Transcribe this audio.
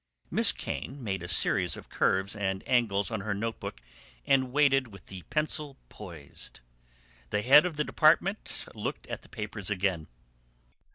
Miss Kane made a series of curves and angles on her note book and waited with pencil poised. The head of the department looked at the papers again.